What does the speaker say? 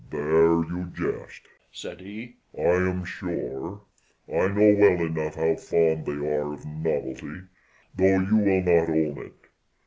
"There you jest," said he, "I am sure; I know well enough how fond they are of novelty, though you will not own it.